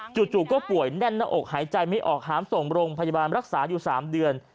จู่ก็ป่วยแน่นหน้าอกหายใจไม่ออกหามส่งโรงพยาบาลรักษาอยู่๓เดือน